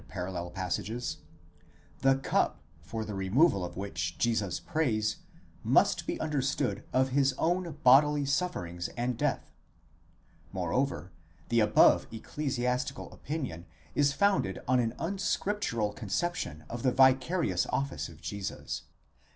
parall.), the cup ποτήριον for the removal of which Jesus prays, must be understood of his own: bodily suffer ings and death. Moreover, the above ecclesiastical opinion is founded on an unscriptural conception of the vicarious office of Jesus.